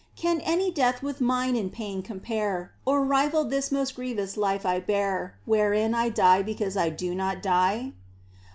Can any death with mine in pain compare. Or rival this most grievous life I bear Wherein I die because I do not die